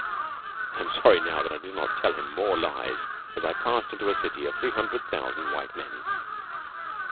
I am sorry now that I did not tell him more lies as I passed into a city of three hundred thousand white men.